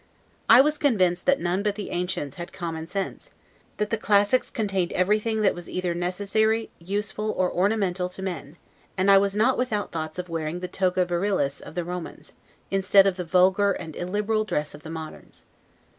I was convinced that none but the ancients had common sense; that the classics contained everything that was either necessary, useful, or ornamental to men; and I was not without thoughts of wearing the 'toga virilis' of the Romans, instead of the vulgar and illiberal dress of the moderns.